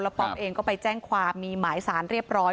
ป๊อปเองก็ไปแจ้งความมีหมายสารเรียบร้อย